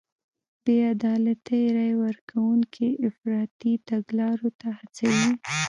بې عدالتۍ رای ورکوونکي افراطي تګلارو ته هڅوي.